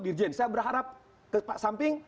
dirjen saya berharap ke samping